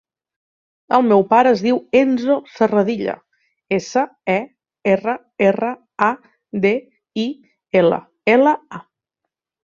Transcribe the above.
El meu pare es diu Enzo Serradilla: essa, e, erra, erra, a, de, i, ela, ela, a.